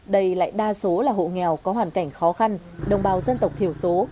đây lại đa số là hộ nghèo có hoàn cảnh khó khăn đồng bào dân tộc thiểu số